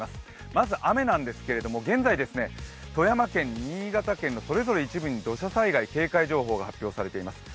まず雨なんですけれども、現在、富山県、新潟県のそれぞれ一部に土砂災害警戒情報が発表されています。